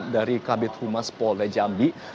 dari kabit humas polda jambi